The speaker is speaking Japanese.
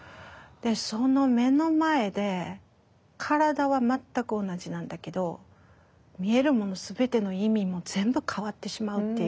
その目の前で体は全く同じなんだけど見えるもの全ての意味も全部変わってしまうっていう。